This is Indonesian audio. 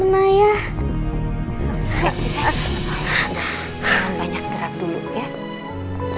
nah jangan banyak gerak dulu ya